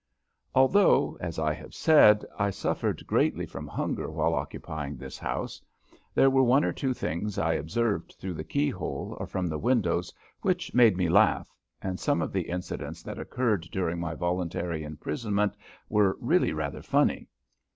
Although, as I have said, I suffered greatly from hunger while occupying this house, there were one or two things I observed through the keyhole or from the windows which made me laugh, and some of the incidents that occurred during my voluntary imprisonment were really rather funny.